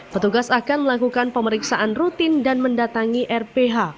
petugas akan melakukan pemeriksaan rutin dan mendatangi rph